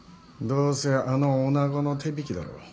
どうせあの女子の手引きだろう。